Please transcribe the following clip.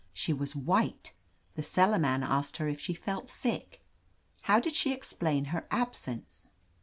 She was white. The cellar man asked her if she felt sick." How did she explain her absence?"